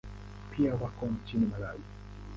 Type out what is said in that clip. Pia wako nchini Malawi.